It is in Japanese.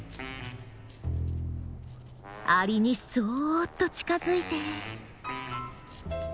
アリにそっと近づいて。